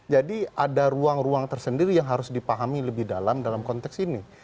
jadi ada ruang ruang tersendiri yang harus dipahami lebih dalam dalam konteks ini